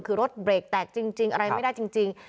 คือรถเบรกแตกจริงอะไรไม่ได้จริง